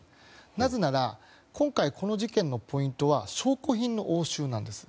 なぜなら、今回この事件のポイントは証拠品の押収なんです。